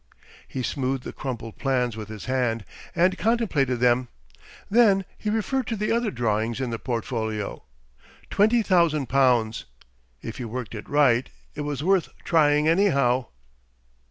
He smoothed the crumpled plans with his hand, and contemplated them. Then he referred to the other drawings in the portfolio. Twenty thousand pounds. If he worked it right! It was worth trying, anyhow.